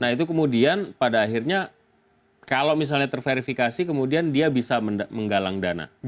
nah itu kemudian pada akhirnya kalau misalnya terverifikasi kemudian dia bisa menggalang dana